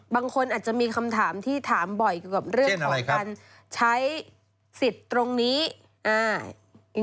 บางคนอาจจะมีคำถามที่ถามบ่อยเกี่ยวกับเรื่องของการใช้สิทธิ์ตรงนี้อ่า